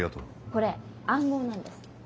これ暗号なんです。